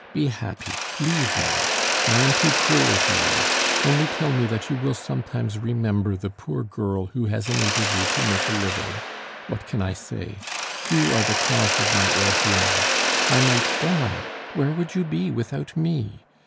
"Be happy; leave me! I am too cruel to you; only tell me that you will sometimes remember the poor girl who has enabled you to make a living. What can I say? You are the cause of my ill humor. I might die; where would you be without me?